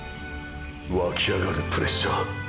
湧き上がるプレッシャー！！